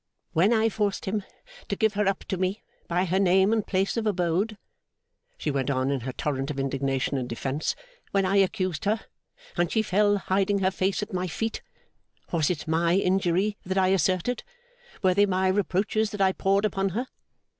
'When I forced him to give her up to me, by her name and place of abode,' she went on in her torrent of indignation and defence; 'when I accused her, and she fell hiding her face at my feet, was it my injury that I asserted, were they my reproaches that I poured upon her?